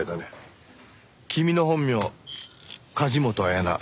君の本名梶本彩奈。